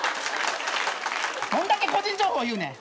どんだけ個人情報言うねん。